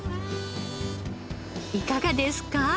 いかがですか？